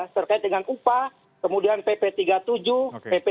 serta dengan upah kemudian pp tiga puluh tujuh pp tiga puluh lima